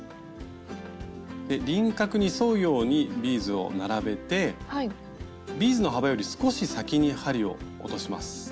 輪郭に沿うようにビーズを並べてビーズの幅より少し先に針を落とします。